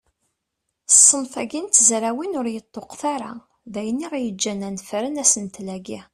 Ṣṣenf-agi n tezrawin ur yeṭṭuqet ara, d ayen aɣ-yeǧǧen ad d-nefren asentel-agi.